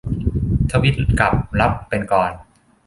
ทวิตกลับรับเป็นกลอน